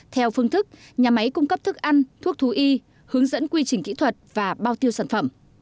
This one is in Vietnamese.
theo phương thức nhà máy cung cấp thức ăn thuốc thú y hướng dẫn quy trình kỹ thuật và bao tiêu sản phẩm